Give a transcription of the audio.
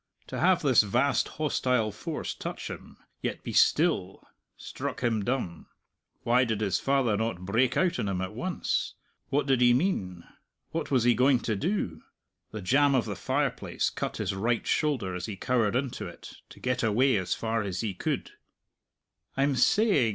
To have this vast hostile force touch him, yet be still, struck him dumb. Why did his father not break out on him at once? What did he mean? What was he going to do? The jamb of the fireplace cut his right shoulder as he cowered into it, to get away as far as he could. "I'm saying